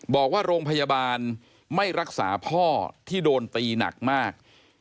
บอกว่าโรงพยาบาลไม่รักษาพ่อที่โดนตีหนักมาก